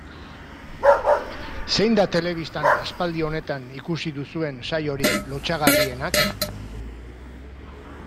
Zein da telebistan aspaldi honetan ikusi duzuen saiorik lotsagarrienak?